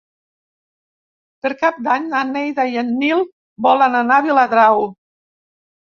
Per Cap d'Any na Neida i en Nil volen anar a Viladrau.